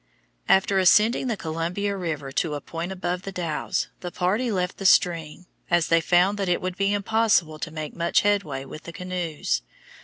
After ascending the Columbia River to a point above The Dalles, the party left the stream, as they found that it would be impossible to make much headway with the canoes.